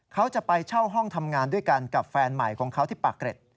เขาจะไปเช่าห้องทำงานด้วยกันกับแฟนใหม่ของเขาที่ปากเกร็ด